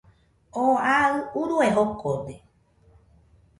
Oo aɨ urue jokode